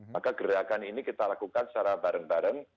maka gerakan ini kita lakukan secara bareng bareng